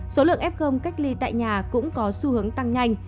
số lượng f cách ly tại nhà cũng có xu hướng tăng nhanh